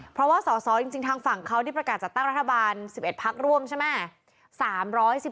เพราะว่าสอสอจริงทางฝั่งเขาได้ประกาศจัดตั้งรัฐบาล๑๑พักร่วมใช่ไหม